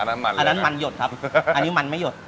อันนั้นมันเลยครับอันนั้นมันหยดครับอันนี้มันไม่หยด